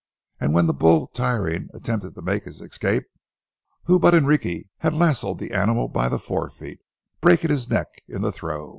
And when the bull, tiring, attempted to make his escape, who but Enrique had lassoed the animal by the fore feet, breaking his neck in the throw?